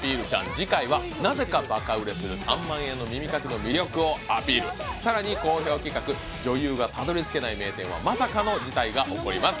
次回はなぜかバカ売れする３万円の耳かきの魅力をアピールさらに好評企画女優がたどり着けない名店はまさかの事態が起こります